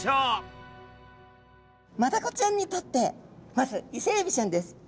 マダコちゃんにとってまずイセエビちゃんです。